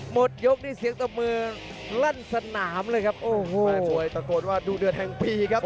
หมดยกนี่เสียงตะมือลั่นสนามเลยครับโอ้โหแฟนมวยตะโกนว่าดูเดือดแห่งปีครับ